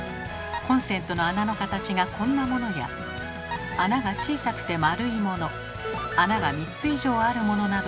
コンセントの穴の形がこんなものや穴が小さくて丸いもの穴が３つ以上あるものなど。